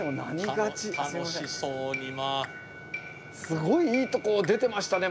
スゴイいいとこ出てましたね